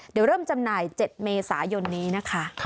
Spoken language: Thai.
เดี๋ยวเริ่มจำหน่าย๗เมษายนนี้นะคะ